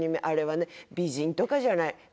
あれはね美人とかじゃない。